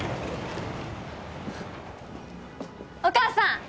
お母さん！